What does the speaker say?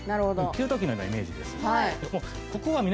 給湯器のようなイメージです。